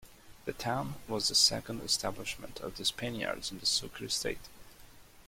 The town was the second establishment of the Spaniards in the Sucre State.